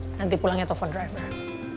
nanti pulangnya telepon driver